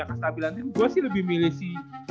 kestabilan tim gua sih lebih milih si